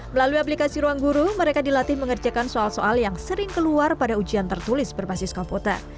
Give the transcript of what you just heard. melalui aplikasi ruang guru mereka dilatih mengerjakan soal soal yang sering keluar pada ujian tertulis berbasis komputer